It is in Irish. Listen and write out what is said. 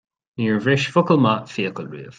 Níor bhris focal maith fiacail riamh